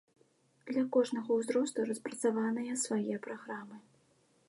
Для кожнага ўзросту распрацаваныя свае праграмы.